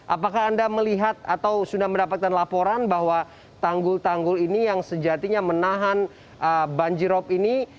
apakah anda melihat atau sudah mendapatkan laporan bahwa tanggul tanggul ini yang sejatinya menahan banjirop ini